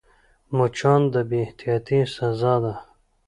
مچان د بې احتیاطۍ سزا ده